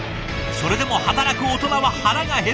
それでも働くオトナは腹が減る。